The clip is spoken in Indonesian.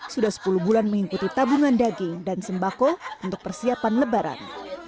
sudah sepuluh bulan mengikuti tabungan daging dan sembako untuk persiapan lebaran